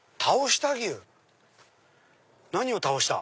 何を倒した？